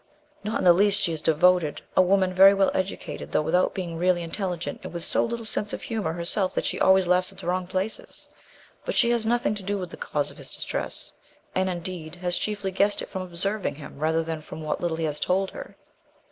"Not in the least. She is devoted; a woman very well educated, though without being really intelligent, and with so little sense of humour herself that she always laughs at the wrong places. But she has nothing to do with the cause of his distress; and, indeed, has chiefly guessed it from observing him, rather than from what little he has told her.